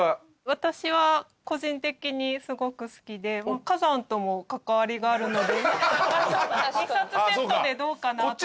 私は個人的にすごく好きで火山とも関わりがあるので２冊セットでどうかなと。